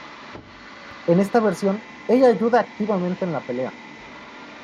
En esta versión, ella ayuda activamente en la pelea.